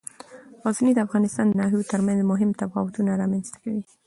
غزني د افغانستان د ناحیو ترمنځ مهم تفاوتونه رامنځ ته کوي.